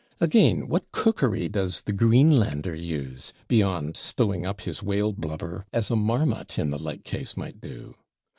Again, what Cookery does the Greenlander use, beyond stowing up his whale blubber, as a marmot, in the like case, might do?